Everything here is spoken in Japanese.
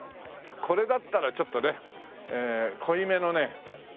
これだったらちょっとね濃いめのね。